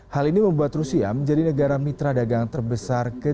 hal ini membuat rusia menjadi negara mitra dagang terbesar kedua